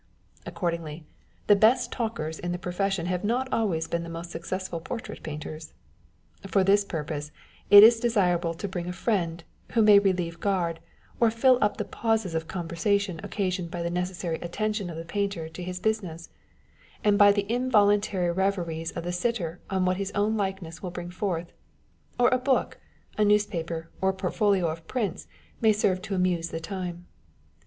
Accordingly, the best talkers in the profession have not always been the most successful portrait painters. For this purpose it is desirable to bring a friend, who may relieve guard, or fill up the pauses of conversation occa sioned by the necessary attention of the painter to his On Sitting for Ones Picture. 151 business, and by the involuntary reveries of the sitter on what his own likeness will bring forth ; or a book, a newspaper, or a portfolio of prints may serve to amuse the time.